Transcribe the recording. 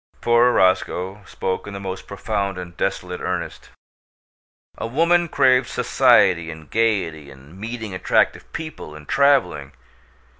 Poor Roscoe spoke in the most profound and desolate earnest. "A woman craves society, and gaiety, and meeting attractive people, and traveling.